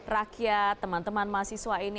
rakyat teman teman mahasiswa ini